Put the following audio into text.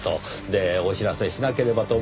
でお知らせしなければと